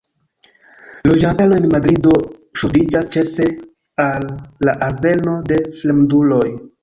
Loĝantaro en Madrido ŝuldiĝas ĉefe al la alveno de fremduloj.